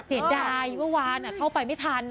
เสียดายเมื่อวานเข้าไปไม่ทัน